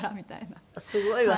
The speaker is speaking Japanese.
すごいわね。